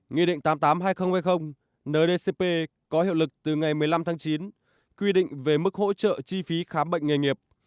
nghị định tám mươi tám hai nghìn hai mươi ndcp có hiệu lực từ ngày một mươi năm tháng chín quy định về mức hỗ trợ chi phí khám bệnh nghề nghiệp